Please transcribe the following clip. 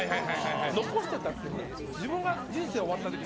残していたって自分が人生終わった時に